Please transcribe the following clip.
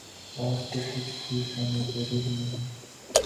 آج تو کچھ بھی کھانے کو دل نہیں